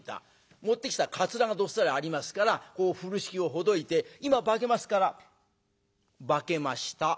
持ってきたカツラがどっさりありますから風呂敷をほどいて「今化けますから。化けました」。